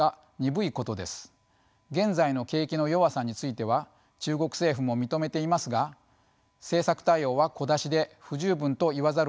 現在の景気の弱さについては中国政府も認めていますが政策対応は小出しで不十分と言わざるをえません。